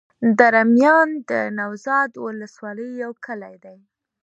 دره میان د نوزاد ولسوالي يو کلی دی.